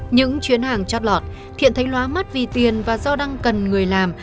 những chuyến hàng chót lọt thiện thấy lóa mất vì tiền và do đang cần người làm